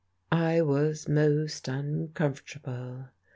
I was most uncomfortable....